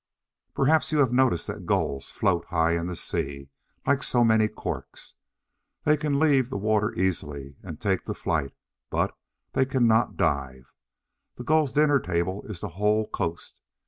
Perhaps you have noticed that Gulls float high in the sea, like so many corks. They can leave the water easily, and take to flight; but they cannot dive. The Gull's dinner table is the whole coast.